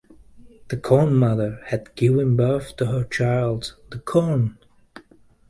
The corn-mother had given birth to her child, the corn.